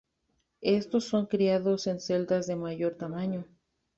Estos son criados en celdas de mayor tamaño.